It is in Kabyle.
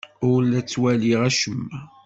Ur la ttwaliɣ acemma!